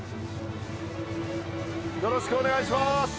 よろしくお願いします！